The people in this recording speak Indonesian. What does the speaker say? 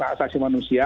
atau asasi manusia